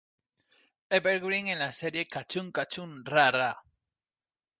Evergreen en la serie "Cachún cachún ra ra!